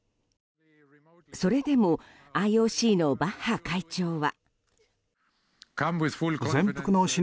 それでもＩＯＣのバッハ会長は。